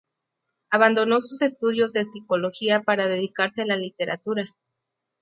Abandonó sus estudios de psicología para dedicarse a la literatura.